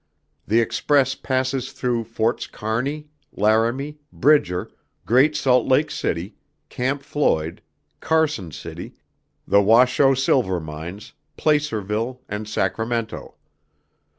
The Express passes through Forts Kearney, Laramie, Bridger, Great Salt Lake City, Camp Floyd, Carson City, The Washoe Silver Mines, Placerville, and Sacramento.